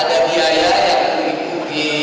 tidak lebih dari itu